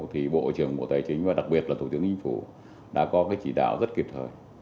thì bộ trưởng bộ tài chính và đặc biệt là thủ tướng chính phủ đã có cái chỉ đạo rất kịp thời